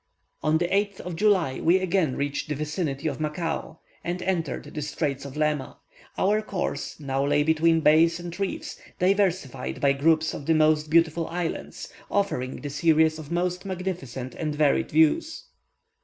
On the 8th of July we again reached the vicinity of Macao, and entered the Straits of Lema. Our course now lay between bays and reefs, diversified by groups of the most beautiful islands, offering a series of most magnificent and varied views.